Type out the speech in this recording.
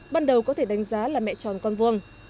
ban đầu có thể đánh giá là mẹ tròn con vuông